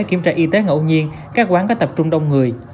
kiểm tra y tế ngẫu nhiên các quán có tập trung đông người